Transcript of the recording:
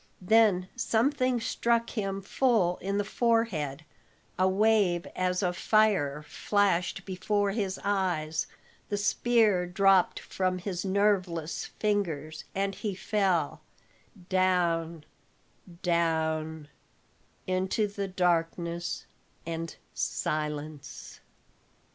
Then something struck him full in the forehead, a wave as of fire flashed before his eyes, the spear dropped from his nerveless fingers, and he fell down down into darkness and silence.